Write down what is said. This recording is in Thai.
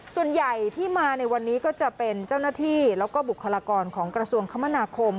ส่วนใหญ่ที่มาในวันนี้ก็จะเป็นเจ้าหน้าที่แล้วก็บุคลากรของกระทรวงคมนาคม